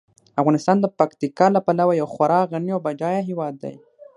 افغانستان د پکتیکا له پلوه یو خورا غني او بډایه هیواد دی.